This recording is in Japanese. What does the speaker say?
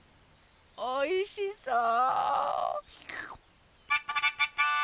おいしそう！